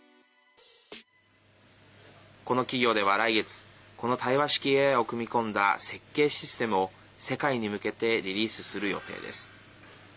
この企業では来月この対話式ＡＩを組み込んだ設計システムを世界に向けてリリースする予定です。